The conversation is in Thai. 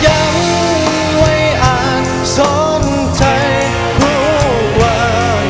ยังไว้อาจสนใจรู้ว่า